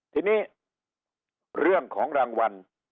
ทีนี้เรื่องของรางวัล